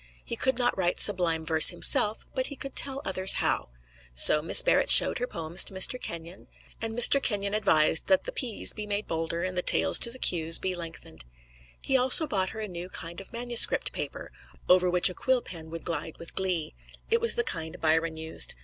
He could not write sublime verse himself, but he could tell others how. So Miss Barrett showed her poems to Mr. Kenyon, and Mr. Kenyon advised that the P's be made bolder and the tails to the Q's be lengthened. He also bought her a new kind of manuscript paper, over which a quill pen would glide with glee: it was the kind Byron used.